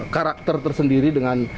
karakter tersendiri dengan